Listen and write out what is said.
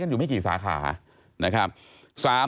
อยู่ไม่กี่สาขา